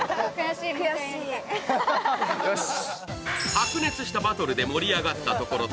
白熱したバトルで盛り上がったところで